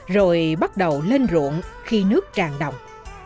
rồi bắt đầu lên ruộng khi nước tràn đồng